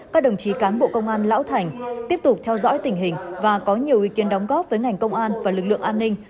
các đồng chí cán bộ công an lão thành tiếp tục theo dõi tình hình và có nhiều ý kiến đóng góp với ngành công an và lực lượng an ninh